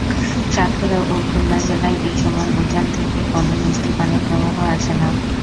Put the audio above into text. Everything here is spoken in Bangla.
সাতক্ষীরা ও খুলনা জেলায় এই সময় উজান থেকে কোনো মিষ্টি পানির প্রবাহ আসে না।